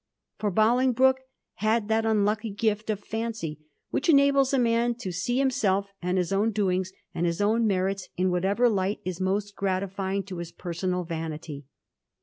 For Bolingbroke had that unlucky gift of fancy which enables a man to see himself, and his own doings, and his own merits, in whatever light is most gratifying to his personal vanity.